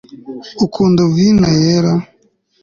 ukunda vino yera